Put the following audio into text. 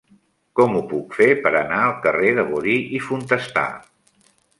Com ho puc fer per anar al carrer de Bori i Fontestà?